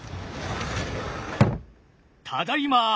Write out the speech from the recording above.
ただいま。